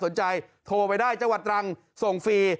สนใจโทรไปได้จังหวัดรังส่งฟรี